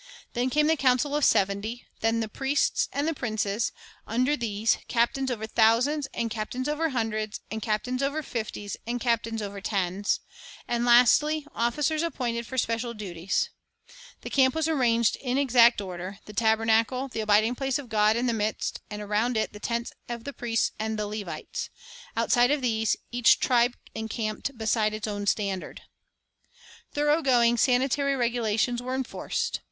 Then came the council of seventy, then the priests and the princes, under these " captains over thousands, and captains over hundreds, and captains over fifties, and captains over tens," 2 and, lastly, officers appointed for special duties. The camp was arranged in exact order, the tabernacle, An Industrial School Organization 1 Ex. 31 : 1 6. 2 Num. 1 1 : 16, 17 ; Deut. 1 : 15. Sanitary Regulations 38 Illustrations the abiding place of God, in the midst, and around it the tents of the priests and the Levites. Outside of these, each tribe encamped beside its own standard. Thorough going sanitary regulations were enforced.